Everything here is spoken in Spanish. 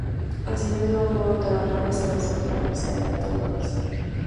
Asimismo fue Doctor Honoris Causa por la Universidad de Toulouse.